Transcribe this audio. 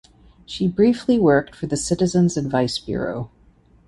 She briefly worked for the Citizens Advice Bureau.